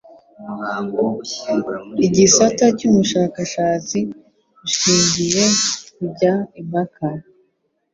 igisata cy'ubushakashatsi bushingyiye k'ukujya impaka